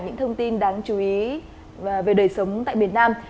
những thông tin đáng chú ý về đời sống tại miền nam